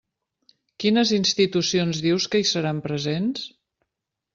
Quines institucions dius que hi seran presents?